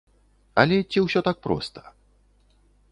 Але ці ўсё так проста?